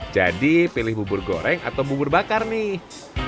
jadi pilih bubur goreng atau bubur bakar nih